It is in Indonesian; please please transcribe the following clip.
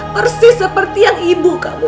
persis seperti yang ibu kamu